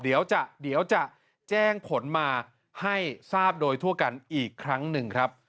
เดี๋ยวจะแจ้งผลมาให้ทราบโดยทั่วกันอีกครั้งหนึ่งครับ